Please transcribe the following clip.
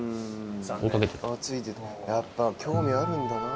やっぱ興味あるんだな。